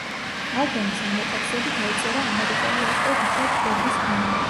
ალბომის ანოტაციები დაიწერა ამერიკელი ავტორ რიჩარდ ფორდის მიერ.